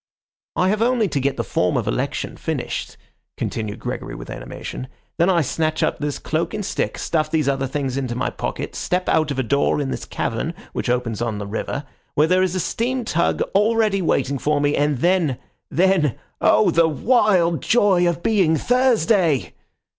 "I have only to get the form of election finished," continued Gregory with animation, "then I snatch up this cloak and stick, stuff these other things into my pocket, step out of a door in this cavern, which opens on the river, where there is a steam tug already waiting for me, and then—then—oh, the wild joy of being Thursday!"